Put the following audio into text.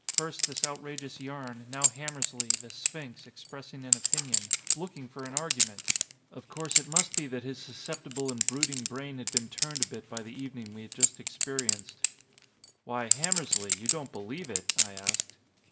First this outrageous yarn, now Hammersly, the "sphinx," expressing an opinion, looking for an argument! Of course it must be that his susceptible and brooding brain had been turned a bit by the evening we had just experienced. "Why Hammersly! You don't believe it?" I asked.